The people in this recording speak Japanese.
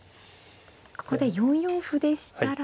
ここで４四歩でしたら。